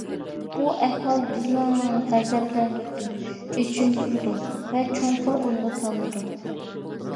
بۇ ئەھۋال بىزنى غەزەپلەندۈرىدۇ، ئېچىندۇرىدۇ ۋە چوڭقۇر ئويغا سالىدۇ.